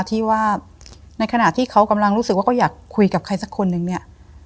ที่ว่าในขณะที่เขากำลังรู้สึกว่าเขาอยากคุยกับใครสักคนนึงเนี่ย